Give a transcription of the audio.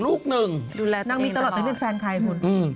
ดูแลตัวเองตลอดนั่งมีตลอดตอนนี้เป็นแฟนใครคุณ